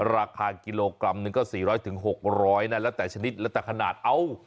ราคากิโลกรัมหนึ่งก็สี่ร้อยถึงหกร้อยน่ะแล้วแต่ชนิดแล้วแต่ขนาดเอ้า